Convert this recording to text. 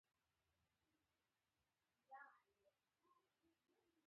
سیریلیون او زیمبابوې ډېر بېوزله دي.